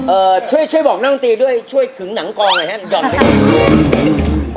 เออช่วยบอกนั่งตีด้วยช่วยถึงหนังกองไอ้แฮน